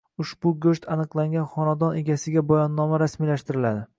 Ushbu go‘sht aniqlangan xonadon egasiga bayonnoma rasmiylashtirildi